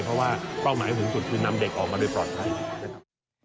เพราะว่าเป้าหมายสูงสุดคือนำเด็กออกมาโดยปลอดภัยนะครับ